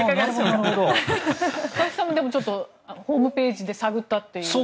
佐々木さんもホームページで探ったという。